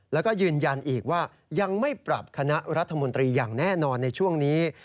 แล้วก็ยืนยันอีกว่ายังไม่ปรับคณะรัฐมนตรีอย่างแน่นอนในช่วงนี้